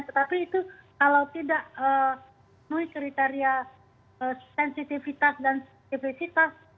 tetapi itu kalau tidak memenuhi kriteria sensitivitas dan aktivitas